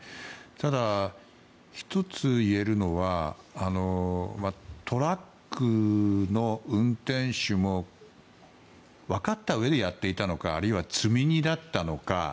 ただ１つ言えるのはトラックの運転手も分かったうえでやっていたのかあるいは積み荷だったのか。